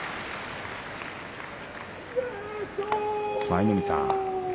舞の海さん